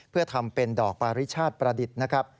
เพื่อทำเป็นดอกปาริชาติประดิษฐ์นะครับ